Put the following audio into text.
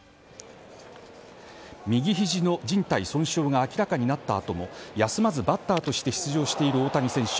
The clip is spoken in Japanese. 右肘の靱帯損傷が明らかになったあとも休まずバッターとして出場している大谷選手。